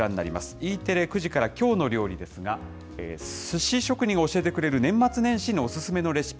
Ｅテレ９時からきょうの料理ですが、すし職人が教えてくれる年末年始におすすめのレシピ。